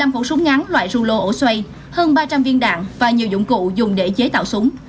một mươi năm khẩu súng ngắn loại ru lô ổ xoay hơn ba trăm linh viên đạn và nhiều dụng cụ dùng để chế tạo súng